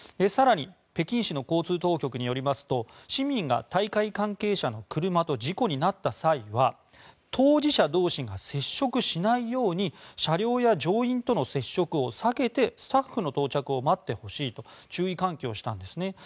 更に、北京市の交通当局によりますと市民が大会関係者の車と事故になった際は当事者同士が接触しないように車両や乗員との接触を避けてスタッフの到着を待ってほしいと注意喚起をしたんですね。